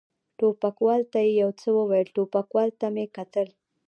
ټوپکوال ته یې یو څه وویل، ټوپکوال ته مې کتل.